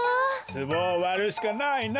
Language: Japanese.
つぼをわるしかないな。